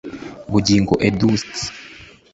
Bugingo Eudes